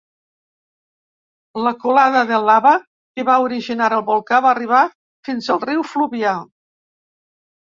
La colada de lava que va originar el volcà va arribar fins al riu Fluvià.